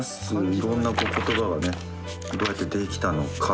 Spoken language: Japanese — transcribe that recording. いろんな言葉がね、どうやってできたのか。